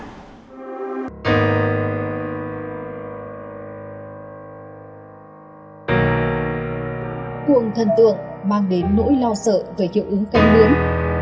cuồng thần tượng mang đến nỗi lo sợ về hiệu ứng cân ứng